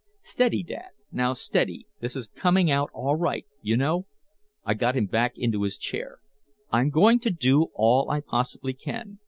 "Steady, Dad now steady this is coming out all right, you know " I got him back into his chair. "I'm going to do all I possibly can.